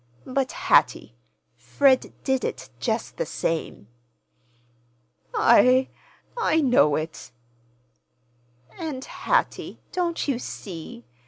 But, Hattie, Fred did it, just the same." "I—I know it." "And, Hattie, don't you see?